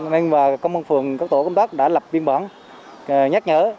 nên và công an phường các tổ công tác đã lập biên bản nhắc nhở